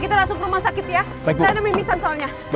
kita langsung ke rumah sakit ya